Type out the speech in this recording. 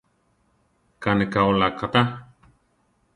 Ká ne ka olá katá.